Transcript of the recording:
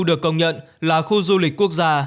được công nhận là khu du lịch quốc gia